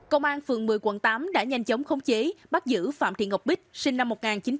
công an phường một mươi quận tám đã nhanh chóng khống chế bắt giữ phạm thị ngọc bích sinh năm một nghìn chín trăm tám mươi